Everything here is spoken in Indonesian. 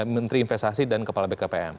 menteri investasi dan kepala bkpm